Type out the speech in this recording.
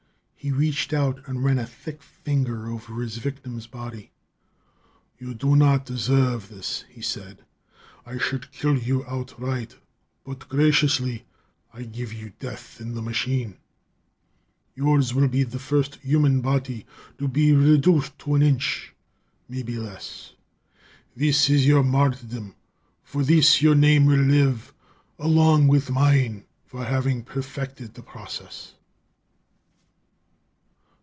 He reached out and ran a thick finger over his victim's body. "You do not deserve this," he said. "I should kill you outright but, graciously, I give you death in the machine. Yours will be the first human body to be reduced to an inch; maybe less. This is your martyrdom; for this, your name will live, along with mine, for having perfected the process."